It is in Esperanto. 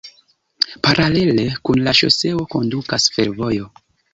Paralele kun la ŝoseo kondukas fervojo.